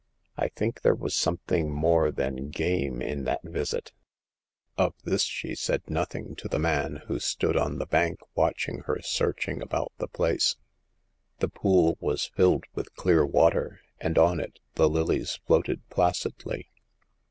" I think there was something more than game in that visit." Of this she said nothing to the man, who stood on the bank, watching her searching about the place. The pool was filled with clear water, and on it the lilies floated placidly.